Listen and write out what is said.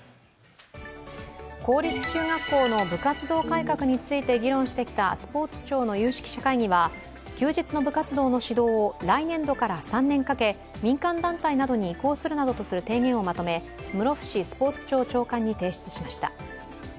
公立中学校の部活動改革について議論してきたスポーツ庁の有識者会議は、休日の部活動の指導を来年度から３年かけ、民間団体などに移行するなどとする提言をまとめ、室伏スポーツ庁長官に提出しました。